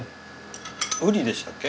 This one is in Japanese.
ウリでしたっけ？